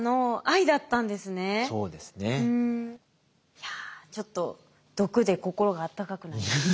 いやちょっと毒で心が温かくなりました。